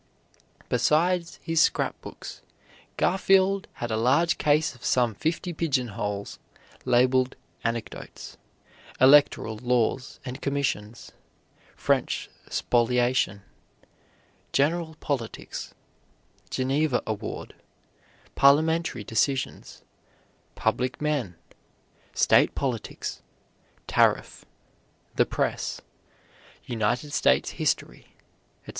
Besides his scrapbooks, Garfield had a large case of some fifty pigeonholes, labeled "Anecdotes," "Electoral Laws and Commissions," "French Spoliation," "General Politics," "Geneva Award," "Parliamentary Decisions," "Public Men," "State Politics," "Tariff," "The Press," "United States History," etc.